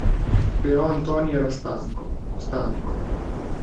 Però Antonio era stanco, stanco.